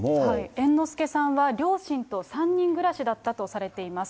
猿之助さんは両親と３人暮らしだったとされています。